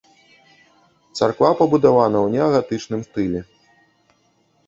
Царква пабудавана ў неагатычным стылі.